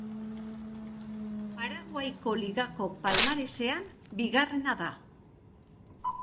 Paraguaiko ligako palmaresean bigarrena da.